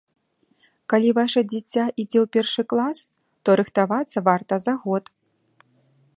Калі ваша дзіця ідзе ў першы клас, то рыхтавацца варта за год.